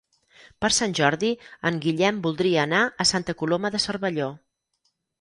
Per Sant Jordi en Guillem voldria anar a Santa Coloma de Cervelló.